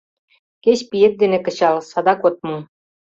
— Кеч пиет дене кычал — садак от му.